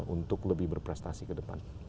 untuk lebih berprestasi ke depan